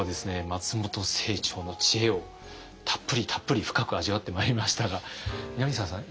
松本清張の知恵をたっぷりたっぷり深く味わってまいりましたが南沢さん